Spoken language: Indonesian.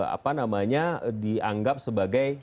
apa namanya dianggap sebagai